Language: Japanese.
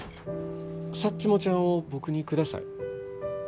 サッチモちゃんを僕にください。